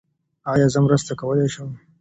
ایا زه مرسته کولي شم؟